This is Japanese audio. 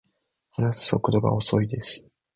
話す速度が遅いです